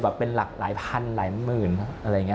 เป็นหลักหลายพันหลายหมื่นอะไรอย่างนี้